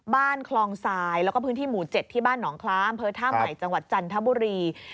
บ้านคลองทรายแล้วก็พื้นที่หมู่๗ที่บ้านหนองคล้าอำเภอท่าใหม่จังหวัดจันทบุรี